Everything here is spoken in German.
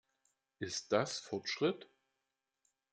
Ist das Fortschritt?